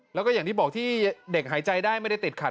แล้วก็อย่างที่บอกที่เด็กหายใจได้ไม่ได้ติดขัด